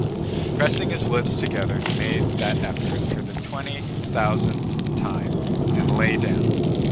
Pressing his lips together he made that effort for the twenty thousandth time and lay down.